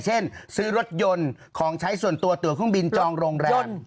เช่นซื้อรถยนต์ของใช้ส่วนตัวตัวเครื่องบินจองโรงแรม